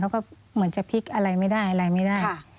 เขาก็เหมือนจะพลิกอะไรไม่ได้อะไรไม่ได้